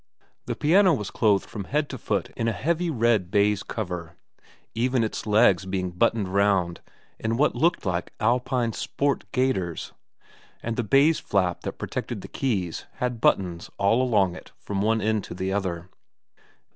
The piano was clothed from head to foot in a heavy red baize cover, even its legs being buttoned round in what looked like Alpine Sport gaiters, and the baize flap that protected the keys had buttons all along it from one end to the other.